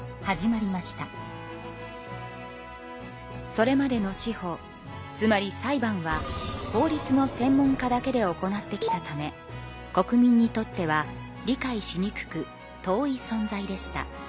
それまでの司法つまり裁判は法律の専門家だけで行ってきたため国民にとっては理解しにくく遠い存在でした。